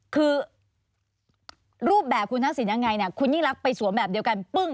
คือรูปแบบคุณทักศิลป์ยังไงคุณนิรักษ์ไปสวมแบบเดียวกัน